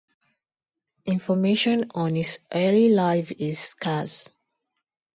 Information on his early life is scarce.